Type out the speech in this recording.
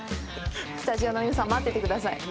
スタジオの皆さん、待っててください。